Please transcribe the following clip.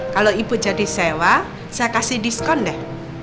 kalau ibu jadi sewa saya kasih diskon deh